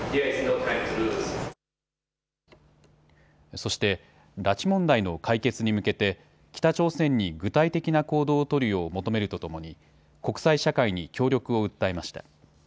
そして拉致問題の解決に向けて北朝鮮に具体的な行動を取るよう求めるとともに国際社会に協力を訴えました。